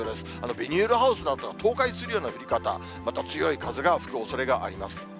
ビニールハウスなどが倒壊するような降り方、また強い風が吹くおそれがあります。